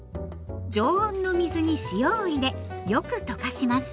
常温の水に塩を入れよく溶かします。